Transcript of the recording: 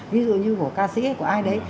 ví dụ như của ca sĩ của ai đấy